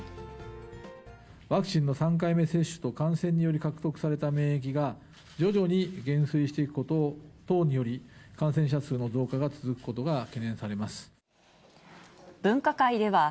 ワクチンの３回目接種と感染により獲得された免疫が、徐々に減衰していくこと等により、感染者数の増加が続くことが懸念されます。